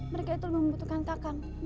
mereka itu membutuhkan kakak